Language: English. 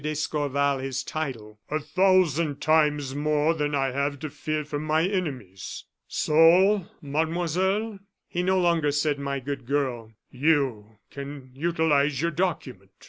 d'Escorval his title "a thousand times more than I have to fear from my enemies. So, Mademoiselle" he no longer said "my good girl" "you can utilize your document."